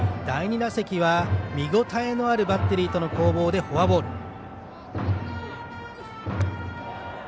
第２打席は、見応えのあるバッテリーとの攻防でフォアボール。